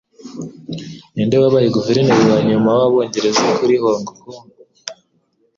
Ninde Wabaye Guverineri Wanyuma Wabongereza Kuri Hong Kong